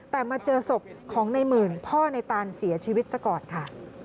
แต่มาเจอศพของในหมื่นพ่อในตานเสียชีวิตซะก่อนค่ะ